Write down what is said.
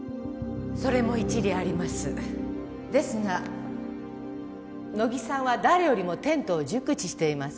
それも一理ありますですが乃木さんは誰よりもテントを熟知しています